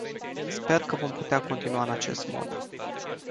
Sper că vom putea continua în acest mod.